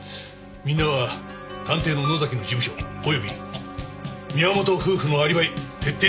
みんなは探偵の野崎の事務所および宮本夫婦のアリバイ徹底的に調べてくれ。